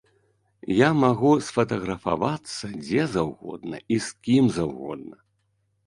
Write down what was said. Я магу сфатаграфавацца дзе заўгодна і з кім заўгодна.